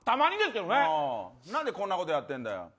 何でこんなことやってんだよ。